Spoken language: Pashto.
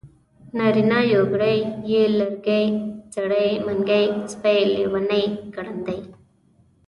نارينه يوګړی ی لرګی سړی منګی سپی لېوانی ګړندی